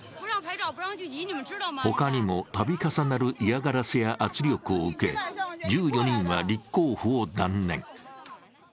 他にも度重なる嫌がらせや圧力を受け１４人は立候補を断念。